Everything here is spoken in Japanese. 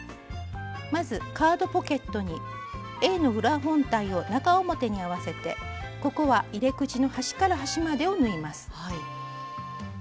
まずカードポケットにＡの裏本体を中表に合わせてここは入れ口の端から端までを縫います。